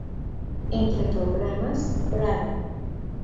Entre programas, Bravo!